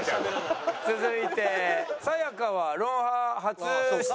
続いてさや香は『ロンハー』初出演？